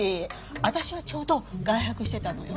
私はちょうど外泊してたのよ。